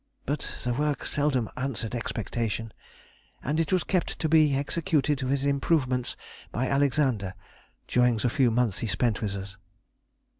But the work seldom answered expectation, and it was kept to be executed with improvements by Alexander during the few months he spent with us.